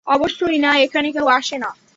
অবশ্যই না, এখানে কেউ আসে না।